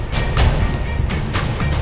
pak silahkan duduk pak